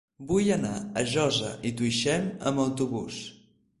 Vull anar a Josa i Tuixén amb autobús.